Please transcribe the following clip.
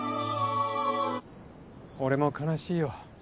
俺も悲しいよ。